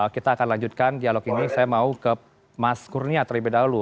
kita akan lanjutkan dialog ini saya mau ke mas kurnia terlebih dahulu